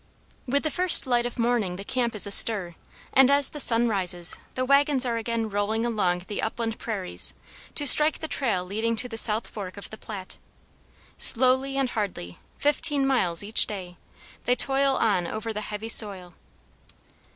With the first light of morning the camp is astir, and as the sun rises, the wagons are again rolling along across the upland prairies, to strike the trail leading to the south fork of the Platte. Slowly and hardly, fifteen miles each day, they toil on over the heavy soil.